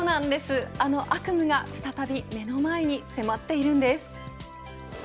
あの悪夢が再び目の前に迫っているんです。